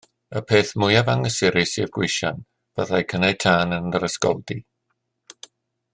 Y peth mwyaf anghysurus i'r gweision fyddai cynnau tân yn yr ysgoldy.